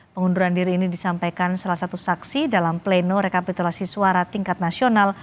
pengunduran diri ini disampaikan salah satu saksi dalam pleno rekapitulasi suara tingkat nasional